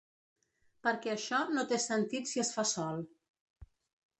Perquè això no té sentit si es fa sol.